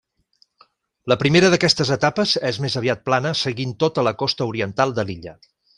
La primera d'aquestes etapes és més aviat plana seguint tota la costa oriental de l'illa.